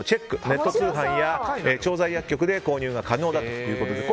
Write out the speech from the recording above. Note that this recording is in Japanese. ネット通販や調剤薬局で購入が可能だそうです。